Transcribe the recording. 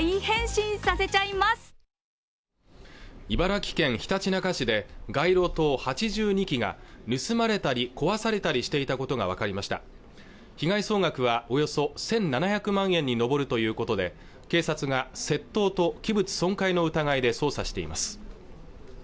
茨城県ひたちなか市で街路灯８２基が盗まれたり壊されたりしていたことが分かりました被害総額はおよそ１７００万円に上るということで警察が窃盗と器物損壊の疑いで捜査しています